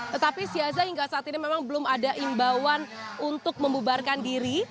tetapi si aza hingga saat ini memang belum ada imbauan untuk membubarkan diri